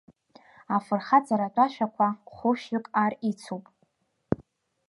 Афырхаҵаратә ашәақәа хәышәҩык ар ицуп.